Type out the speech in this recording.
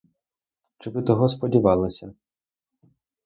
Чи ви того сподівалися?